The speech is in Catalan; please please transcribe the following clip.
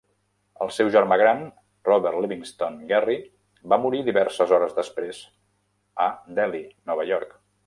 El seu germà gran, Robert Livingston Gerry, va morir diverses hores després a Delhi, Nova York.